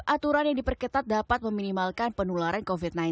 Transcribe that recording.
aturan yang diperketat dapat meminimalkan penularan covid sembilan belas